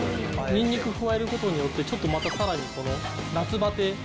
ニンニク加えることによってちょっとまたさらに夏バテ。